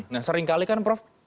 nah sering kali kan prof